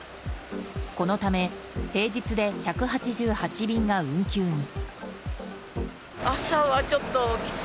このため平日で１８８便が運休に。